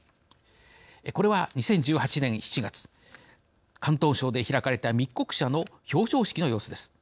これは、２０１８年７月広東省で開かれた密告者の表彰式の様子です。